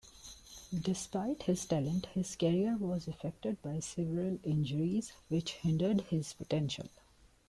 Despite his talent, his career was affected by several injuries, which hindered his potential.